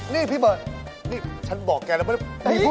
นี่พี่เบิร์ตนี่ฉันบอกแกแล้วไม่ได้พูด